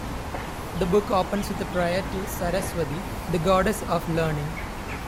The book opens with a prayer to Saraswati, the Goddess of learning.